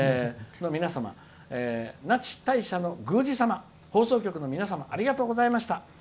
那智大社の宮司様放送局の皆様ありがとうございました」。